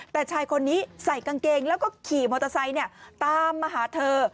แต่ชายคนนี้ใส่กางเกงแล้วก็ขี่มอเตอร์ไซค์ตามมาหาเธอ